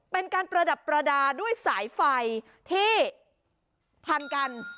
เป็นการประดับประดาษด้วยสายไฟที่พันกัน